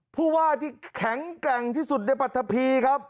ผู้ว่าที่แข็งแกร่งที่สุดในปรัฐพีครับ